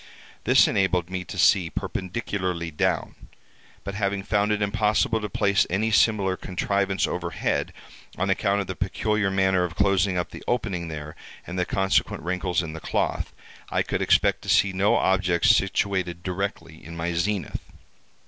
This enabled me to see perpendicularly down, but having found it impossible to place any similar contrivance overhead, on account of the peculiar manner of closing up the opening there, and the consequent wrinkles in the cloth, I could expect to see no objects situated directly in my zenith.